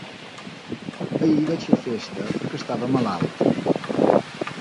Ahir vaig fer festa perquè estava malalt.